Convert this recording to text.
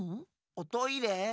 おトイレ？